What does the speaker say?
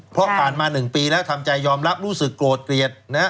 เพราะผ่านมา๑ปีแล้วทำใจยอมรับรู้สึกโกรธเกลียดนะฮะ